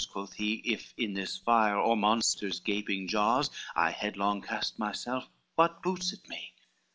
quoth he, "If in this fire, or monster's gaping jaws I headlong cast myself, what boots it me?